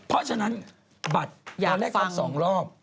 เพราะฉะนั้นบัตรตั้งแรกทำ๒รอบ